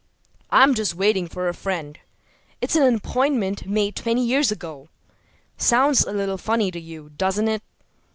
"I'm just waiting for a friend. It's an appointment made twenty years ago. Sounds a little funny to you, doesn't it?